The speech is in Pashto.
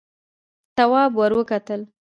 تواب ور وکتل: